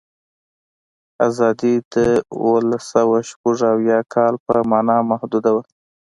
آزادي د اوولسسوهشپږاویا کال په معنا محدوده وه.